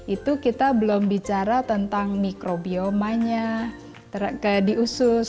itu kita belum bicara tentang mikrobiomanya diusus